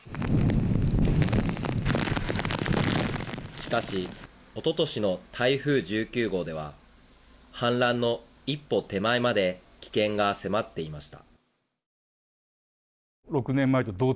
しかし、おととしの台風１９号では氾濫の一歩手前まで危険が迫っていました。